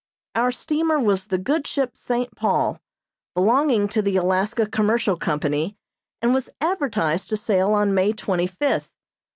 Our steamer was the good ship "St. Paul," belonging to the Alaska Commercial Company, and was advertised to sail on May twenty fifth.